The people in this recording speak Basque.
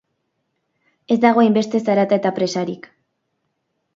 Ez dago hainbeste zarata eta presarik.